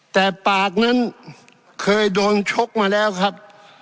แต่ปากนั้นเคยโดนชกมาแล้วครับ